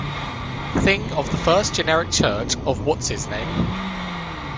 Thing of the First Generic Church of What's-his-name.